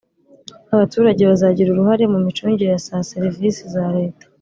abaturage bazagira uruhare mu micungire ya za serivisi za leta